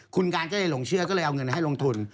คุณการก็เลยหลงเชื่อก็เลยเอาเงินให้ลงทุน